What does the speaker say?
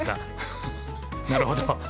なるほど。